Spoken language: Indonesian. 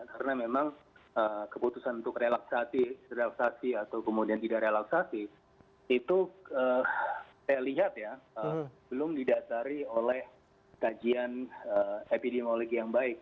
karena memang keputusan untuk relaksasi atau kemudian tidak relaksasi itu saya lihat ya belum didatari oleh kajian epidemiologi yang baik